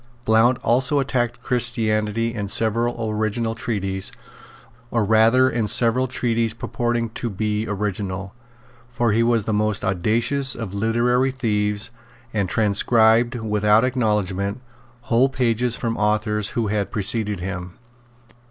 Blount also attacked Christianity in several original treatises, or rather in several treatises purporting to be original; for he was the most audacious of literary thieves, and transcribed, without acknowledgment, whole pages from authors who had preceded him.